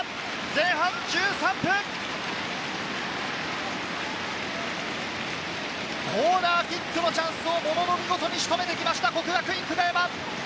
前半１３分、コーナーキックのチャンスをものの見事に仕留めて来ました、國學院久我山。